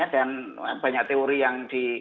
dan banyak teori yang